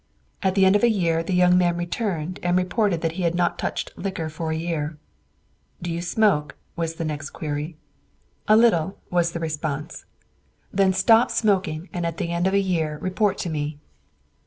At the end of a year the young man returned and reported that he had not touched liquor for the year. "Do you smoke?" was the next query. "A little," was the response. "Then stop smoking and at the end of a year report to me."